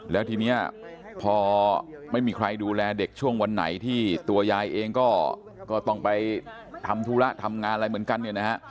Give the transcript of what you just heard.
แล้วทีนี้พอไม่มีใครดูแลเด็กช่วงวันไหนที่ตัวยายเองก็ต้องไปทำธุระทำงานอะไรเหมือนกันเนี่ยนะฮะ